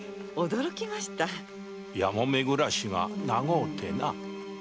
やもめ暮らしが長うてな。